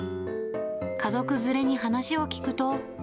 家族連れに話を聞くと。